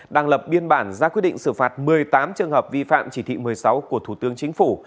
đang lập biên bản ra quyết định xử phạt một mươi tám trường hợp vi phạm chỉ thị một mươi sáu của thủ tướng chính phủ